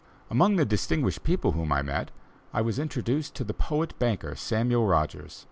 Among the distinguished people whom I met, I was introduced to the poet banker, Samuel Rogers.